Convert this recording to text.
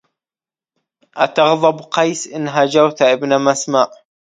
أتغضب قيس أن هجوت ابن مسمع